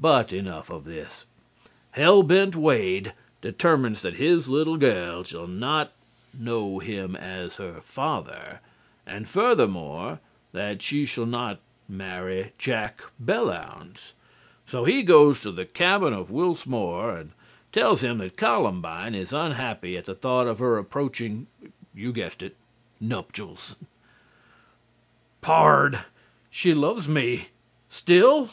But enough of this. "Hell Bent" Wade determines that his little gel shall not know him as her father, and, furthermore, that she shall not marry Jack Belllounds. So he goes to the cabin of Wils Moore and tells him that Columbine is unhappy at the thought of her approaching you guessed it nuptials. "PARD! SHE LOVES ME STILL?"